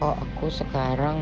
oh aku sekarang